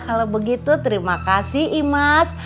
kalau begitu terima kasih imas